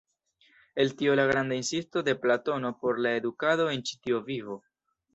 El tio la granda insisto de Platono por la edukado en ĉi tiu vivo.